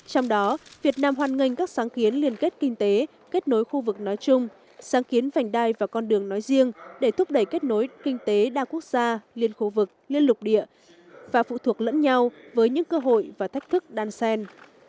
trong đó việt nam hoàn nghênh các sáng kiến liên kết kinh tế kết nối khu vực nói chung sáng kiến vành đai và con đường nói riêng để thúc đẩy kết nối kinh tế đa quốc gia liên khu vực liên lục địa và phụ thuộc lẫn nhau với những cơ hội và thách thức đan sen